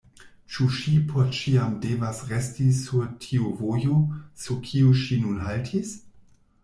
Ĉu ŝi por ĉiam devas resti sur tiu vojo, sur kiu ŝi nun haltis?